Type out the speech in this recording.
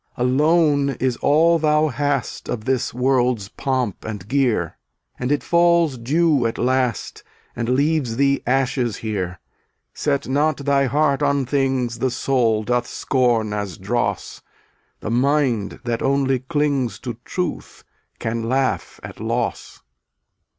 246 A loan is all thou hast Of this world's pomp and gear, And it falls due at last And leaves thee ashes here. Set not thy heart on things The soul doth scorn as dross; The mind that only clings To truth can laugh at loss.